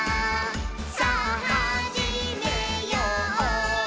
さぁはじめよう」